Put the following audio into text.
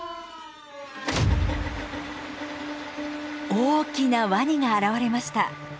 大きなワニが現れました。